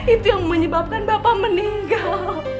itu yang menyebabkan bapak meninggal